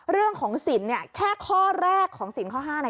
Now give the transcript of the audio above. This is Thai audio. เรื่องของสินเนี่ยแค่ข้อแรกของสินข้อ๕ใน